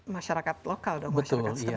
masyarakat lokal dong masyarakat setempat ya